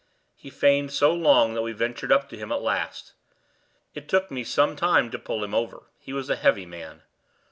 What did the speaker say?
He feigned so long that we ventured up to him at last. It took me some time to pull him over; he was a heavy man.